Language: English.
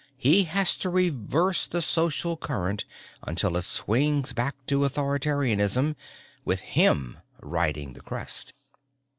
He has to reverse the social current until it swings back to authoritarianism with him riding the crest.